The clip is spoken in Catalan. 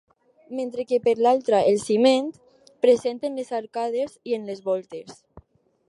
Mentre que per l'altra el ciment, present en les arcades i en les voltes.